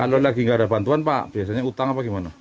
kalau lagi nggak ada bantuan pak biasanya utang apa gimana